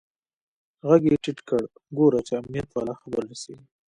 ږغ يې ټيټ کړ ګوره چې امنيت والا خبر نسي.